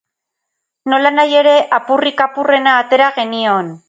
Nolanahi ere, apurrik apurrena atera genion.